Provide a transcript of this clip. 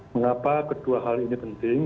mengapa kedua hal ini penting